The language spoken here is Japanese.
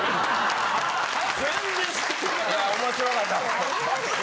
・いや面白かったですね。